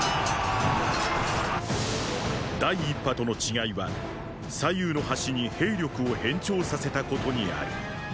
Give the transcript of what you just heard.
第一波との違いは左右の端に兵力を偏重させたことにある。